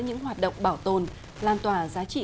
những hoạt động bảo tồn lan tỏa giá trị